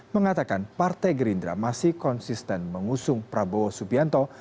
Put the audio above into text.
mengatakan partai gerindra masih konsisten mengusung prabowo subianto